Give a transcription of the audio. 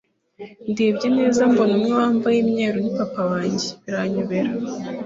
ndebye neza mbona umwe wambaye imyeru ni papa wanjye biranyobera